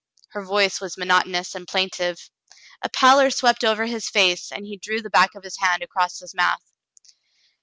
Her voice was monotonous and plaintive. A pallor swept over his face, and he drew the back of his hand across his mouth.